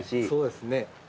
そうですね。